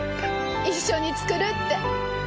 一緒に作るって。